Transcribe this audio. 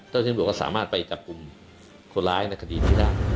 ต้นที่สุดก็สามารถไปจับกลุ่มคนร้ายในคดีที่๕